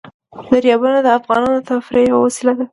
دریابونه د افغانانو د تفریح یوه وسیله ده.